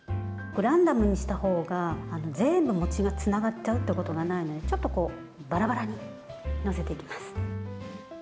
ランダムにしたほうが全部、餅がつながっちゃうことがないのでちょっとバラバラに載せていきます。